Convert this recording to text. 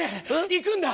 行くんだ！